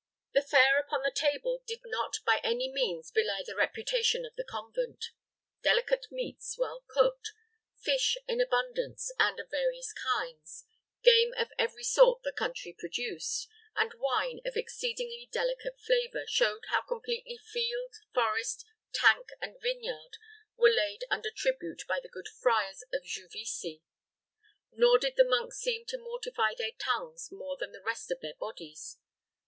The fare upon the table did not by any means belie the reputation of the convent. Delicate meats, well cooked; fish in abundance, and of various kinds; game of every sort the country produced; and wine of exceedingly delicate flavor, showed how completely field, forest, tank, and vineyard were laid under tribute by the good friars of Juvisy. Nor did the monks seem to mortify their tongues more than the rest of their bodies.